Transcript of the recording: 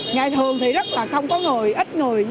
ngày thường thì rất là không có người ít người